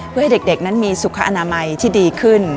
เพื่อให้เด็กนั้นมีสุขอนามัยที่ดีขึ้น